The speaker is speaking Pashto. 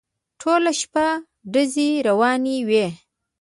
ټوله شپه ډزې روانې وې.